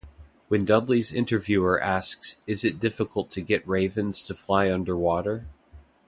When Dudley's interviewer asks Is it difficult to get ravens to fly underwater?